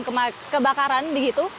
yang kebakaran begitu